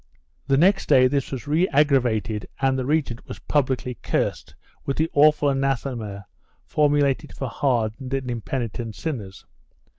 The next day this was re aggravated and the regent was publicly cursed with the awful anathema formulated for hard ened and impenitent sinners.